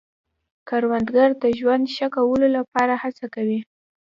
کروندګر د ژوند ښه کولو لپاره هڅه کوي